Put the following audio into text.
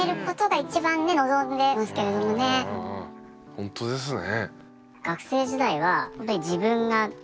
ほんとですね。